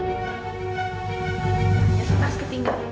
itu mas kepingan